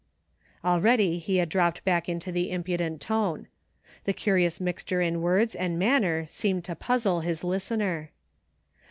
Already he had dropped back into the impudent tone. The curious mixture in words and manner seemed to puzzle his listener.